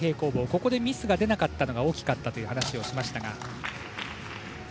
ここでミスが出なかったのが大きかったという話をしました。